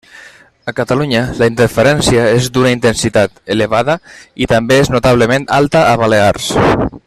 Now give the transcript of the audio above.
A Catalunya, la interferència és d'una intensitat elevada i també és notablement alta a Balears.